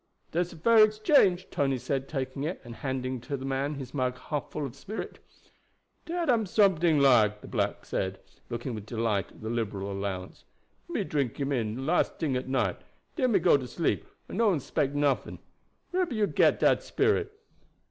"Dat's a fair exchange," Tony said, taking it, and handing to the man his mug half full of spirit. "Dat am someting like," the black said, looking with delight at the liberal allowance. "Me drink him de last ting at night, den me go to sleep and no one 'spect nuffin'. Whereber you get dat spirit?"